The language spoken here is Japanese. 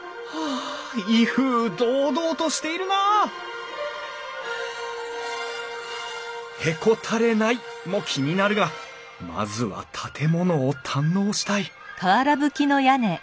あ威風堂々としているなあ「へこたれない」も気になるがまずは建物を堪能したい！